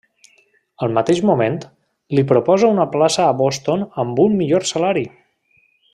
Al mateix moment, li proposa una plaça a Boston amb un millor salari.